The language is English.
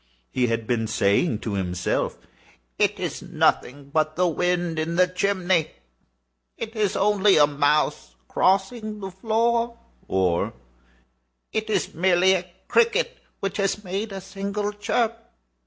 He had been saying to himself—"It is nothing but the wind in the chimney—it is only a mouse crossing the floor," or "It is merely a cricket which has made a single chirp."